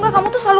kamu tuh selalu